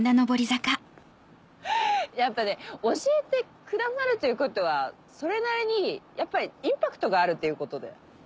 やっぱ教えてくださるということはそれなりにインパクトがあるということで。